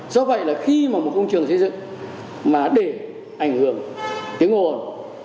do vậy là khi một công trường xây dựng mà để ảnh hưởng tiếng ồn